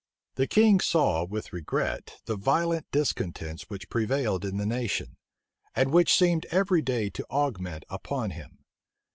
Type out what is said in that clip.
The king saw with regret the violent discontents which prevailed in the nation, and which seemed every day to augment upon him.